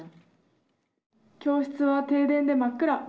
教室は停電で真っ暗。